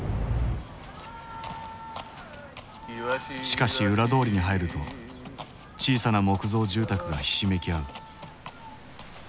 しかし裏通りに入ると小さな木造住宅がひしめき合う